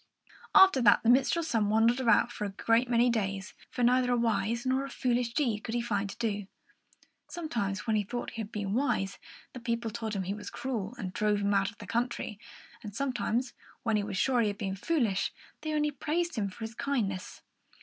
After that, the minstrel's son wandered about for a great many days; for neither a wise nor a foolish deed could he find to do. Sometimes, when he thought he had been wise, the people told him he was cruel, and drove him out of their country; and sometimes, when he was sure he had been foolish, they only praised him for his kindness.